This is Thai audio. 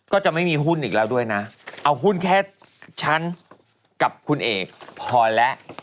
ก็จะไม่มีหุ้นอีกแล้วด้วยนะเอาหุ้นแค่ฉันกับคุณเอกพอแล้ว